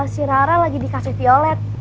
si rara lagi dikasih violet